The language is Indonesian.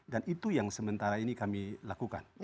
dan itu yang sementara ini kami lakukan